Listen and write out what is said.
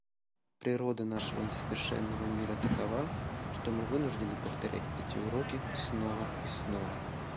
Природа нашего несовершенного мира такова, что мы вынуждены повторять эти уроки снова и снова.